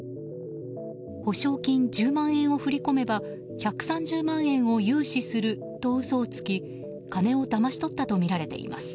保証金１０万円を振り込めば１３０万円を融資すると嘘をつき、金をだまし取ったとみられています。